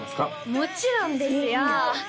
もちろんですよ